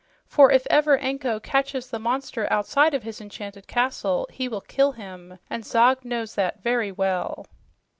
For if ever Anko catches the monster outside of his enchanted castle, he will kill him, and Zog knows that very well."